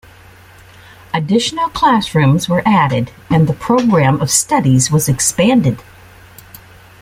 Additional classrooms were added and the program of studies was expanded.